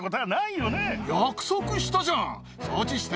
なん約束したじゃん。